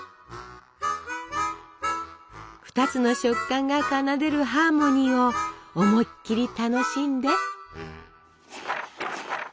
２つの食感が奏でるハーモニーを思いっきり楽しんで。